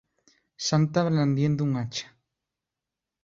Santa blandiendo un hacha.